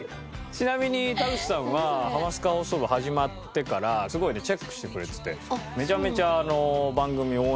ちなみに田口さんは『ハマスカ放送部』始まってからすごいねチェックしてくれてて。